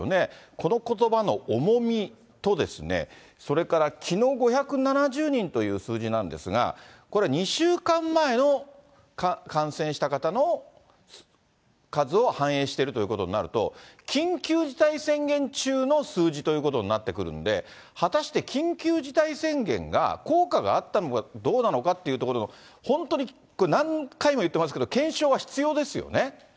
このことばの重みと、それからきのう５７０人という数字なんですが、これ２週間前の感染した方の数を反映しているということになると、緊急事態宣言中の数字ということになってくるんで、はたして緊急事態宣言が効果があったのかどうかなのかというところの、本当に何回も言ってますけれども、検証は必要ですよね。